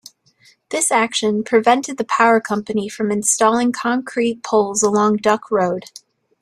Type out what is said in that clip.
This action prevented the power company from installing concrete poles along Duck Road.